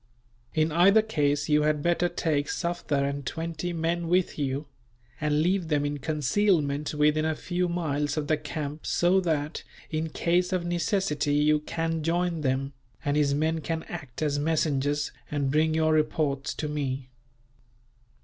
In either case, you had better take Sufder and twenty men with you; and leave them in concealment within a few miles of the camp so that, in case of necessity, you can join them; and his men can act as messengers, and bring your reports to me."